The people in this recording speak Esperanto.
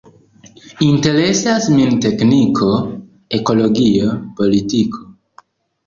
Interesas min tekniko, ekologio, politiko.